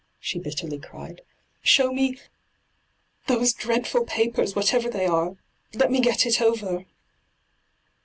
she bitterly cried. 'Show me— those dreadful papers, whatever they are ; let me get it over